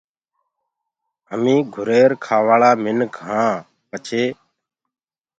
هميٚنٚ گُھرير کآواݪآ مِنک هآن پڇي